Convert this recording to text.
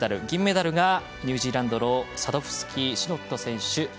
銀メダルがニュージーランドのサドフスキシノット選手